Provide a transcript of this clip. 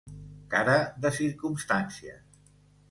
Cara de circumstàncies.